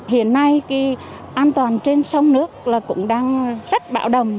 hiện nay an toàn trên sông nước cũng đang rất bạo đầm